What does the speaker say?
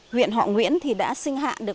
huyện họ nguyễn thì đã sinh hạ được